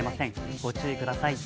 ご注意ください。